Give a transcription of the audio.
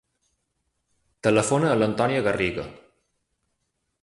Telefona a l'Antònia Garriga.